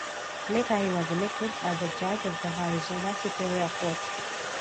Later he was elected as a Judge of the Arizona Superior Court.